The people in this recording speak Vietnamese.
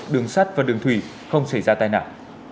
đường sắt và đường thủy không xảy ra tai nạn